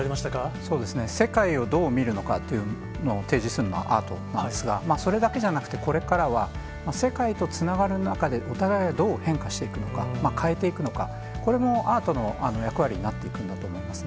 そうですね、世界をどう見るのかというのを提示するのがアートなんですが、それだけじゃなくて、これからは、世界とつながる中で、お互いがどう変化していくのか、変えていくのか、これもアートの役割になっていくんだと思いますね。